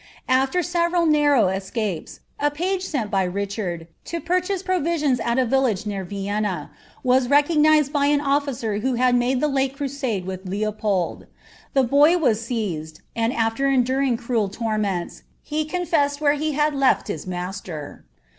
Afier several narruw es« jpes,a page win by Rkhwil. to piirrliase provisions at a village near Vienna, waa ntcn^niml by u ufficer who had muile the ble crusade with Leopold. The boy «u seized, aiid, after enduring cruel tunuenis, he cou[eaatd where he had left his master.